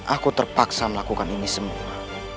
aku terpaksa melakukan ini semua